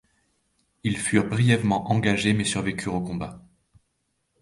Ils furent brièvement engagés mais survécurent au combat.